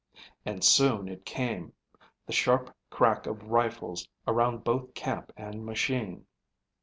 And soon it came, the sharp crack of rifles around both camp and machine.